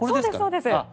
そうです。